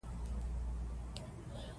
افغانستان په د ریګ دښتې باندې تکیه لري.